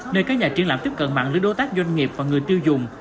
nơi các nhà triển lãm tiếp cận mạng lưới đối tác doanh nghiệp và người tiêu dùng